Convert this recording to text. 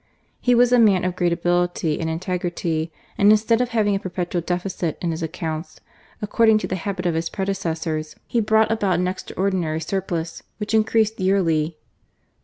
He was a man of great ability and integrity, and instead of having a perpetual deficit in his accounts, accord ing to the habit of his predecessors, he brought about an extraordinary surplus, which increased yearly.